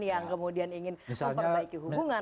yang kemudian ingin memperbaiki hubungan